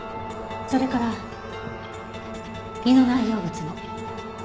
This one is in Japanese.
それから胃の内容物も。